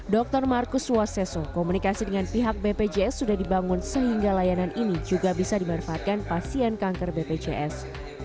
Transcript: dr markus waseso komunikasi dengan pihak bpjs sudah dibangun sehingga layanan ini juga bisa dimanfaatkan pasien kanker bpjs